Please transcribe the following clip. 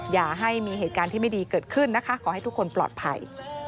อย่าให้มีเหตุการณ์ที่ไม่ดีเกิดขึ้นนะคะขอให้ทุกคนปลอดภัย